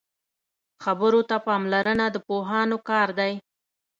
خبرو ته پاملرنه د پوهانو کار دی